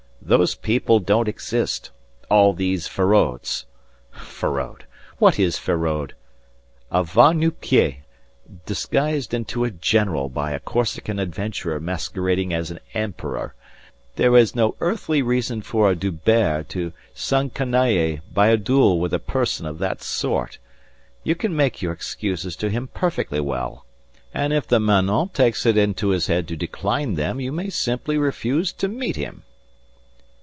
"Those people don't exist all these Ferauds. Feraud! What is Feraud? A va nu pieds disguised into a general by a Corsican adventurer masquerading as an emperor. There is no earthly reason for a D'Hubert to s'encanailler by a duel with a person of that sort. You can make your excuses to him perfectly well. And if the manant takes it into his head to decline them you may simply refuse to meet him."